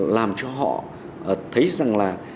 làm cho họ thấy rằng là